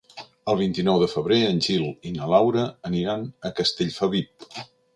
El vint-i-nou de febrer en Gil i na Laura aniran a Castellfabib.